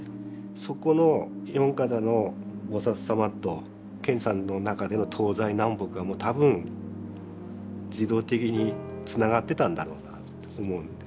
そこの四方の菩薩様と賢治さんの中での東西南北がもう多分自動的につながってたんだろうなと思うんです。